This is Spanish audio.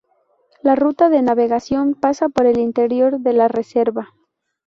La ruta de navegación pasa por el interior de la reserva.